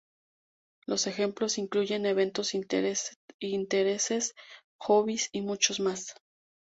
Los ejemplos incluyen eventos, intereses, hobbies y mucho más.